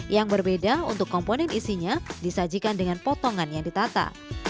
yang berbeda untuk komponen isinya disajikan dengan potongan yang ditata